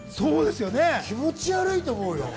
気持ち悪いと思うよ。